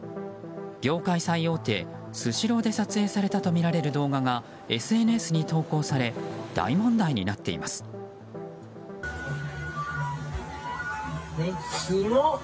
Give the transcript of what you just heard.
業界最大手スシローで撮影されたとみられる動画がＳＮＳに投稿され大問題になっています。